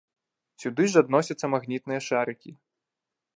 Сюды ж адносяцца магнітныя шарыкі.